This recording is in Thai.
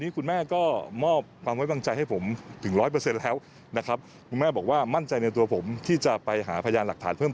คุณหมอพรทิพย์ก็แนะนำผมแล้วก็ผมเอง